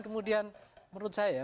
kemudian menurut saya